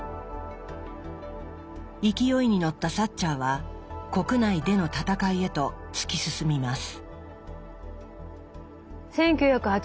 勢いに乗ったサッチャーは国内での戦いへと突き進みます。